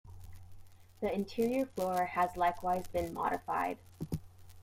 The interior floor has likewise been modified.